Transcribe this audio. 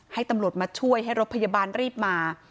ให้ตำรวจมาช่วยให้รถพยาบาลรีบมา